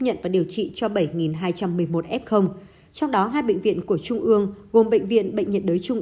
nhận và điều trị cho bảy hai trăm một mươi một f trong đó hai bệnh viện của trung ương gồm bệnh viện bệnh nhiệt đới trung